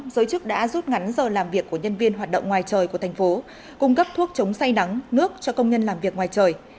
giới chức đã rút ngắn giờ làm việc của nhân viên hoạt động ngoài trời của thành phố cung cấp thuốc chống say nắng nước cho công nhân làm việc ngoài trời